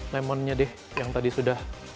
lemonnya deh yang tadi sudah